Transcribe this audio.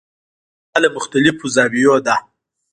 دا له مختلفو زاویو ده.